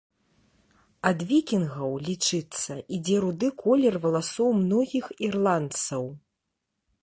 Ад вікінгаў, лічыцца, ідзе руды колер валасоў многіх ірландцаў.